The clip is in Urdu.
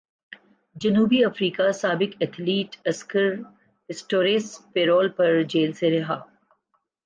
جنوبی افریقہ سابق ایتھلیٹ اسکر پسٹوریس پیرول پر جیل سے رہا